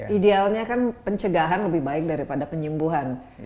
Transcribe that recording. idealnya kan pencegahan lebih baik daripada penyembuhan